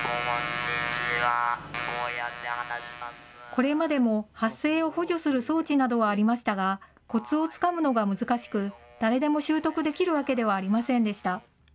これまでも、発声を補助する装置などはありましたが、こつをつかむのが難しく、誰でも習得できるわけではありませんでした。